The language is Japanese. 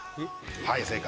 はい正解。